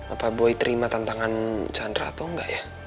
apa boy terima tantangan chandra atau enggak ya